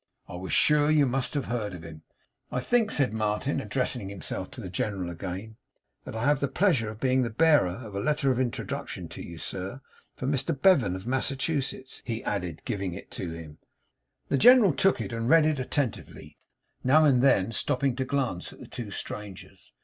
'I was sure you must have heard of him!' 'I think,' said Martin, addressing himself to the General again, 'that I have the pleasure of being the bearer of a letter of introduction to you, sir. From Mr Bevan, of Massachusetts,' he added, giving it to him. The General took it and read it attentively; now and then stopping to glance at the two strangers.